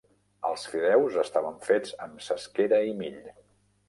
Els fideus estaven fets amb cesquera i mill.